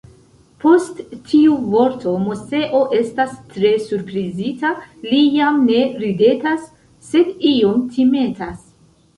Post tiu vorto Moseo estas tre surprizita, li jam ne ridetas, sed iom timetas.